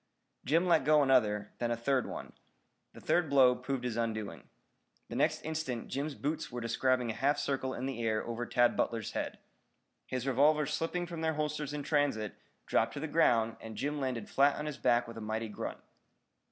Jim let go another, then a third one. The third blow proved his undoing. The next instant Jim's boots were describing a half circle in the air over Tad Butler's head. His revolvers slipping from their holsters in transit, dropped to the ground and Jim landed flat on his back with a mighty grunt.